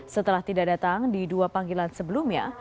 setelah tidak datang di dua panggilan sebelumnya